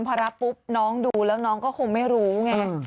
พอรับปุ๊บน้องดูแล้วน้องก็คงไม่รู้ไง